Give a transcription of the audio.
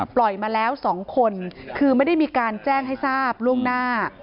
ปล่อยมาแล้ว๒คนคือไม่ได้มีการแจ้งให้ทราบล่วงหน้า